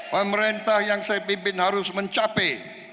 pemerintah yang saya pimpin harus mencapai